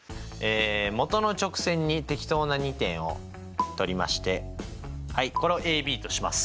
元の直線に適当な２点をとりましてこれをＡＢとします。